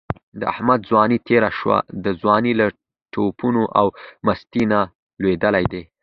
د احمد ځواني تېره شوله، د ځوانۍ له ټوپونو او مستۍ نه لوېدلی دی.